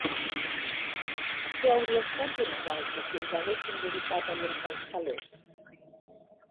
Què hauria estat de nosaltres si ens haguéssim dedicat a llençar els calés?